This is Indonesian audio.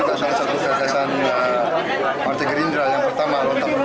itu juga salah satu kata kata partai gerindra yang pertama